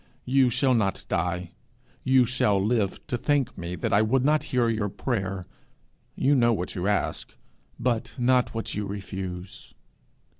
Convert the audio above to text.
You shall not die; you shall live to thank me that I would not hear your prayer. You know what you ask, but not what you refuse.'